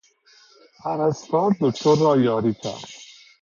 پرستار دکتر را یاری کرد.